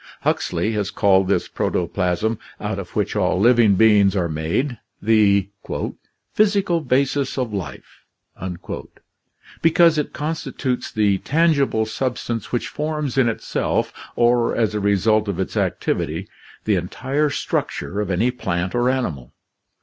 Huxley has called this protoplasm out of which all living beings are made the "physical basis of life," because it constitutes the tangible substance which forms in itself or as a result of its activity the entire structure of any plant or animal.